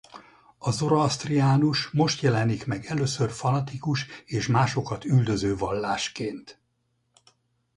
A zoroasztriánus most jelenik meg először fanatikus és másokat üldöző vallásként.